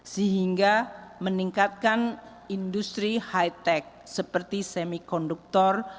sehingga meningkatkan industri high tech seperti semikonduktor